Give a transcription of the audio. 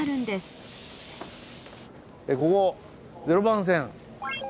ここ０番線。